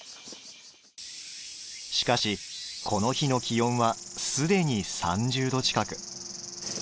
しかし、この日の気温はすでに３０度近く。